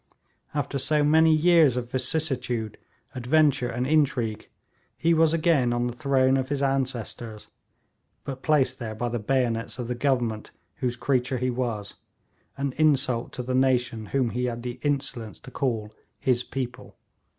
After so many years of vicissitude, adventure and intrigue, he was again on the throne of his ancestors, but placed there by the bayonets of the Government whose creature he was, an insult to the nation whom he had the insolence to call his people.